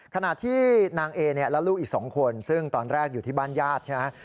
ขณะที่นางเอเนี่ยและลูกอีก๒คนซึ่งตอนแรกอยู่ที่บ้านญาติใช่ไหม